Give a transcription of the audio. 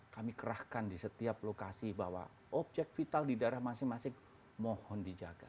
kami kerahkan di setiap lokasi bahwa objek vital di daerah masing masing mohon dijaga